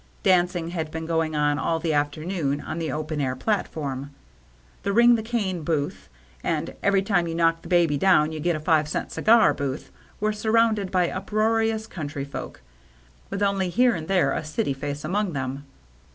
Dancing had been going on all the afternoon on the open air platform. The ring the cane booth, the every time you knock the baby down you get a five cent cigar booth, were surrounded by uproarious country folk, with only here and there a city face among them.